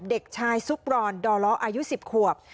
เด็กชายซุ๊กรอนดรอ๑๐ควบ